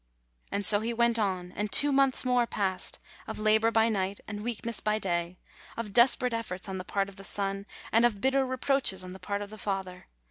And so he went on, and two months more passed, of labor by night and weakness by day, of desperate efforts on the part of the son, and of bitter reproaches on the part of the father.